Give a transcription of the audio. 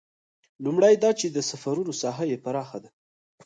لومړی دا چې د سفرونو ساحه یې پراخه ده.